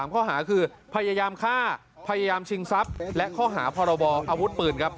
ข้อหาคือพยายามฆ่าพยายามชิงทรัพย์และข้อหาพรบออาวุธปืนครับ